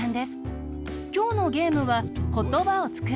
きょうのゲームは「ことばをつくろう」。